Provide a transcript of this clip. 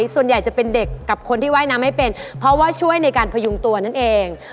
ส่วนใหญ่จะเป็นเด็กกับคนที่ว่ายน้ำไม่เป็นเพราะว่าช่วยในการพยุงตัวนั่นเอง